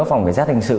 phòng kiểm tra thành sự